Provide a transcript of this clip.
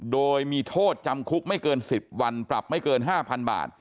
โดยมีโทษจำคุกไม่เกิน๑๐วันปรับไม่เกิน๕๐๐๐บาท